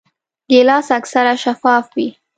ګیلاس اکثره شفاف وي.